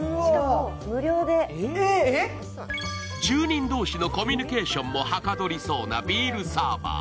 住人同士のコミュニケーションもはかどりそうなビールサーバー。